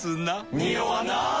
ニオわない！